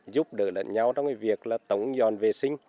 giúp đỡ lẫn nhau trong việc tống dọn vệ sinh